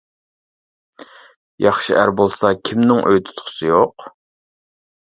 ياخشى ئەر بولسا كىمنىڭ ئۆي تۇتقۇسى يوق.